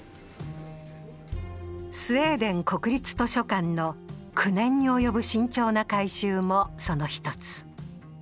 スウェーデン国立図書館の９年におよぶ慎重な改修もその一つ。